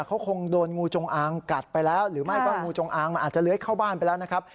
เขาคงโดนงูจงอางกัดไปแล้วหรือไม่ก็งูจงอางมันอาจจะเลื้อยเข้าบ้านไปแล้วนะครับ